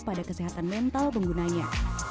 pada kesehatan mental penggunanya